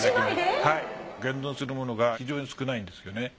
はい。現存するものが非常に少ないんですよね。